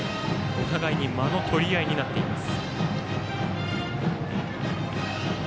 お互いに間のとり合いになっています。